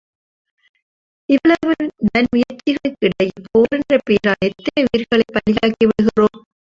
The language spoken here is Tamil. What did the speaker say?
இவ்வளவு நன்முயற்சிகளுக்கிடையில், போர் என்ற பெயரால், எத்தனை உயிர்களைப் பலியாக்கி விடுகிறோம்.